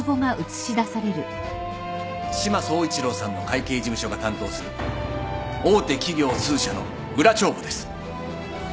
志摩総一郎さんの会計事務所が担当する大手企業数社の裏帳簿です。